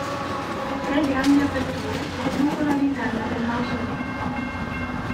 Tre grandi aperture conducono all'interno del mausoleo.